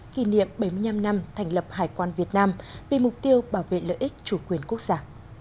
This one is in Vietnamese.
kỷ niệm bảy mươi năm năm thành lập hải quan việt nam vì mục tiêu bảo vệ lợi ích chủ quyền quốc gia